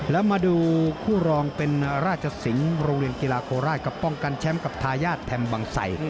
แล้วมาดูคู่รองเป็นราชสิงห์โรงเรียนกีฬาโคราชกับป้องกันแชมป์กับทายาทแทมบังไส